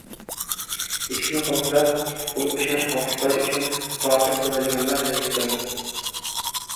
Eshikni qulflab bo'lib ishonch hosil qilish uchun tortib ko'radiganlar, xayrli tong!